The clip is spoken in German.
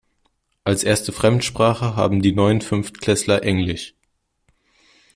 Als Erste Fremdsprache haben die neuen Fünftklässler Englisch.